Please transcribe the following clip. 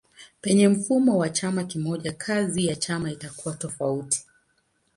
Penye mfumo wa chama kimoja kazi ya chama itakuwa tofauti.